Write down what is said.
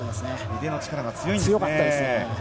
腕の力が強いんですね。